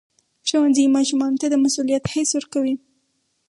ښوونځی ماشومانو ته د مسؤلیت حس ورکوي.